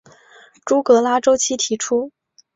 朱格拉周期提出。